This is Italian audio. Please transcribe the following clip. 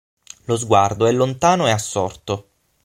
Lo sguardo è lontano e assorto.